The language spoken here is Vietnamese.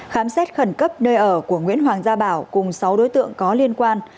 khám xét khẩn cấp nơi ở của nguyễn hoàng gia bảo cùng sáu đối tượng có liên quan